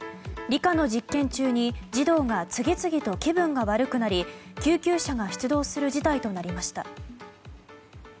理科の実験中に児童が次々と気分が悪くなり救急車が出動する事態となりました。